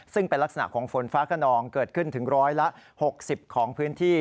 ซึ่งเป็นลักษณะของฝนฟ้าขนองเกิดขึ้นถึงร้อยละ๖๐ของพื้นที่